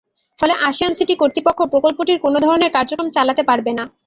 ফলে আশিয়ান সিটি কর্তৃপক্ষ প্রকল্পটির কোনো ধরনের কার্যক্রম চালাতে পারবে না।